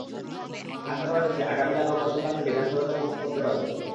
আশা করা যাচ্ছে, আগামীকাল রোববার সকাল থেকে যান চলাচল করতে পারবে।